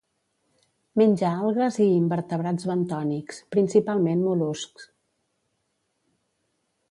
Menja algues i invertebrats bentònics, principalment mol·luscs.